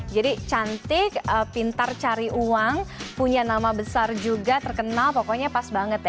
jadi cantik pintar cari uang punya nama besar juga terkenal pokoknya pas banget ya